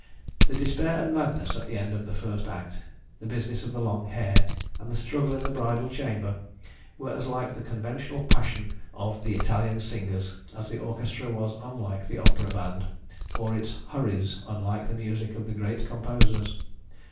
The despair and madness at the end of the first act, the business of the long hair, and the struggle in the bridal chamber, were as like the conventional passion of the Italian singers, as the orchestra was unlike the opera band, or its " hurries" unlike the music of the great com posers.